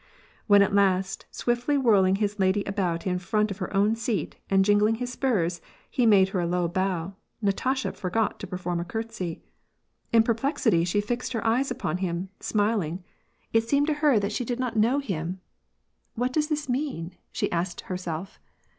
When at last, swiftly whirling his lady about in front of her own seat and jingling his spurs, he made her a low bow, Natasha forgot to perform a courtesy. In per])lexity, she fixed her eyes upon him, smiling : it seemed to her that she 62 t^Ak AND P^ACn. did not know him. "What does this mean?" she asked herself.